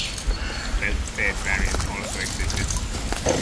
A belt fed variant also existed.